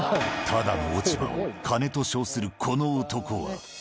ただの落ち葉を金と称するこの男は。